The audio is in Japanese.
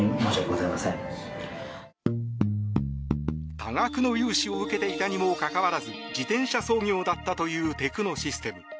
多額の融資を受けていたにもかかわらず自転車操業だったというテクノシステム。